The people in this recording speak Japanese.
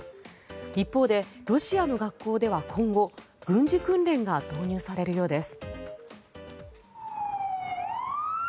一方でロシアの学校では今後軍事訓練が導入されるようです。